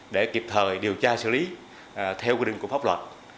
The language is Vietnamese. để kịp thời điều tra xử lý theo quy định của pháp luật